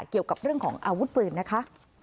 เกี่ยวกับเรื่องของอาวุธปืนนะคะ